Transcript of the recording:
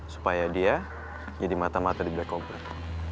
supaya dia jadi mata mata di black ops